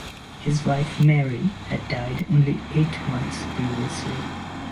His wife Mary had died only eight months previously.